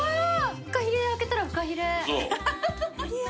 フカヒレ開けたらフカヒレ。